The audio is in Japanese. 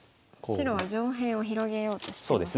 白は上辺を広げようとしてますね。